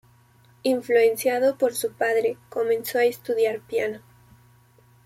Influenciado por su padre comenzó a estudiar piano.